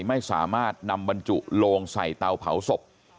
ไม่สามารถนำบรรจุโลงใส่เตาเผาศพ